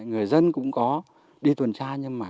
người dân cũng không còn được nhịp nhàng như trước